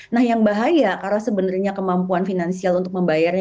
nah yang bahaya karena sebenarnya kemampuan finansial untuk membayarnya